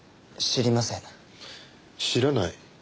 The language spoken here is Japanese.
知らない？